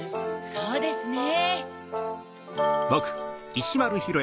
そうですね。